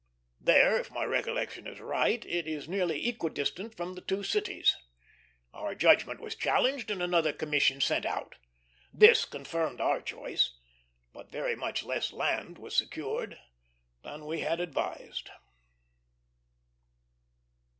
There, if my recollection is right, it is nearly equidistant from the two cities. Our judgment was challenged and another commission sent out. This confirmed our choice, but very much less land was secured than we had advised.